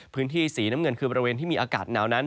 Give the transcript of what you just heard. พื้นที่สีน้ำเงินคือบริเวณที่มีอากาศหนาวนั้น